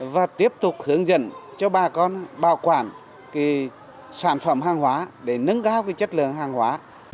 và tiếp tục hướng dẫn cho bà con bảo quản sản phẩm hàng hóa để nâng cao chất lượng hàng hóa